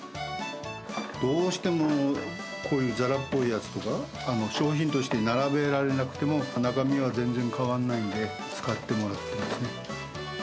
どうしてもこういう、ざらっぽいやつとか、商品として並べられなくても、中身は全然変わんないんで、使ってもらってますね。